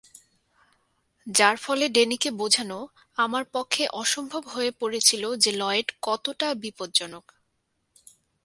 যার ফলে ডেনিকে বোঝানো, আমার পক্ষে অসম্ভব হয়ে পড়েছিল যে লয়েড কতটা বিপদজ্জনক।